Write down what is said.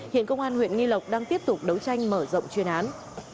hiện công an huyện nghi lộc đang tiếp tục đấu tranh mở rộng chuyên án